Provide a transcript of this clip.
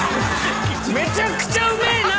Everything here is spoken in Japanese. めちゃくちゃうめえな！